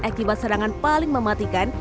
akibat serangan paling mematikan